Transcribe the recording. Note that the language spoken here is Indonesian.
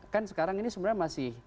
kan sekarang ini sebenarnya masih